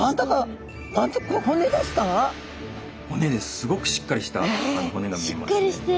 すごくしっかりした骨が見えますね。